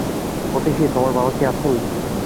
অতসী, তোমার বাবা কি আছেন?